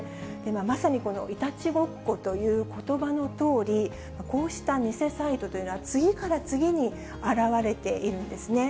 まさにこのいたちごっこということばのとおり、こうした偽サイトというのは、次から次に現れているんですね。